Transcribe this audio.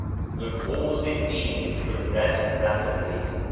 The Cause indeed progressed rapidly.